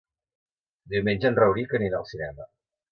Diumenge en Rauric anirà al cinema.